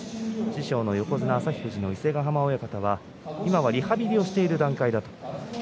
師匠の横綱旭富士の伊勢ヶ濱親方は今はリハビリをしている段階だと話しています。